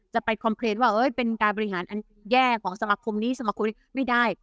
ไปคอมเพลนว่าเป็นการบริหารอันแย่ของสมาคมนี้สมาคมนี้ไม่ได้